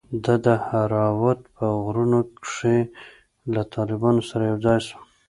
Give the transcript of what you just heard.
د دهراوت په غرونو کښې له طالبانو سره يوځاى سوم.